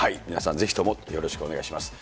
ぜひともよろしくお願いします。